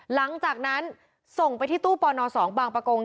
หลังจากนั้นส่งไปที่ตู้ปน๒บางประกง